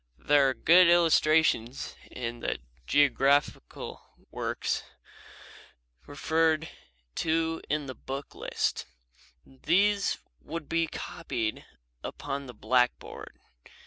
There are good illustrations in the geographical works referred to in the book list. These could be copied upon the blackboard.